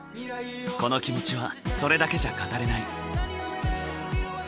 この気持ちはそれだけじゃ語れない。